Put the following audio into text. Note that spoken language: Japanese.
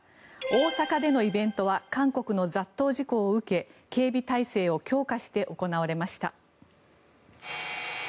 大阪でのイベントは韓国の雑踏事故を受け警備態勢を強化して行われました。